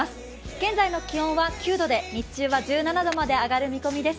現在の気温は９度で、日中は１７度まで上がる見込みです。